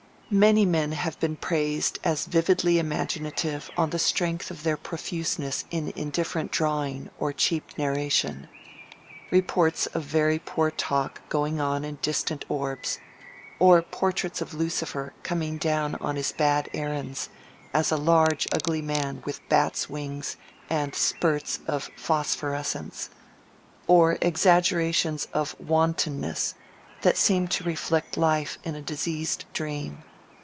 Many men have been praised as vividly imaginative on the strength of their profuseness in indifferent drawing or cheap narration:—reports of very poor talk going on in distant orbs; or portraits of Lucifer coming down on his bad errands as a large ugly man with bat's wings and spurts of phosphorescence; or exaggerations of wantonness that seem to reflect life in a diseased dream.